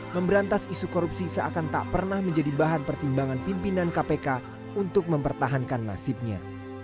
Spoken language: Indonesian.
memberantas isu korupsi seakan tak pernah menjadi bahan pertimbangan pimpinan kpk untuk mempertahankan nasibnya